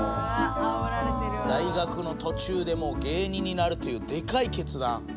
大学のとちゅうでもう芸人になるというでかい決断